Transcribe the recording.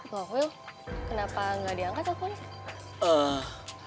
wah wil kenapa gak diangkat aku nih